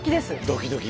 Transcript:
ドキドキ。